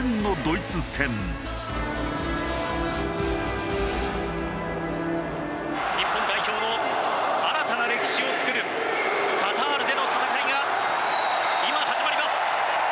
『君が代』日本代表の新たな歴史を作るカタールでの戦いが今始まります。